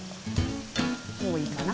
もういいかな？